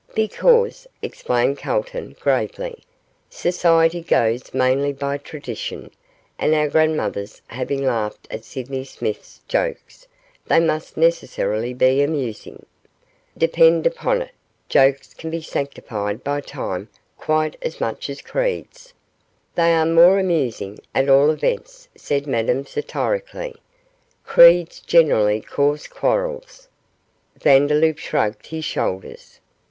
'Because,' explained Calton, gravely, 'society goes mainly by tradition, and our grandmothers having laughed at Sydney Smith's jokes, they must necessarily be amusing. Depend upon it, jokes can be sanctified by time quite as much as creeds.' 'They are more amusing, at all events,' said Madame, satirically. 'Creeds generally cause quarrels.' Vandeloup shrugged his shoulders.